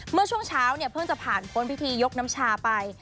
เมื่อช่วงเช้าเนี่ยเพิ่งจะผ่านพ้นพิธียกน้ำชาไป